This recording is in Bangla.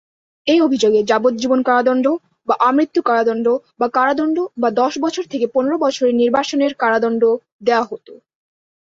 এই অভিযোগে যাবজ্জীবন কারাদণ্ড বা আমৃত্যু কারাদণ্ড বা কারাদণ্ড বা দশ বছর থেকে পনের বছরের নির্বাসনের কারাদণ্ড দেয়া হতো।